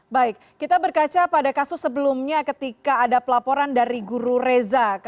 baik kita berkaca pada kasus sebelumnya ketika ada pelaporan dari guru reza